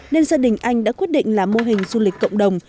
nên gia đình anh đã quyết định làm mô hình du lịch cộng đồng